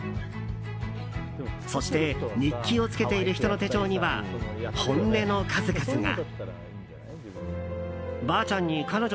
そして日記をつけている人の手帳には本音の数々が。